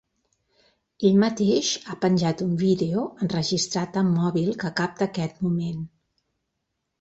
Ell mateix ha penjat un vídeo enregistrat amb mòbil que capta aquest moment.